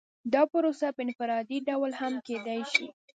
دا پروسه په انفرادي ډول هم کیدای شي.